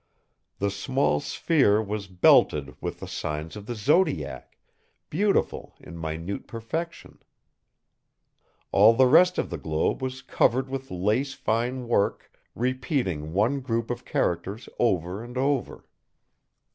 The small sphere was belted with the signs of the Zodiac, beautiful in minute perfection. All the rest of the globe was covered with lace fine work repeating one group of characters over and over.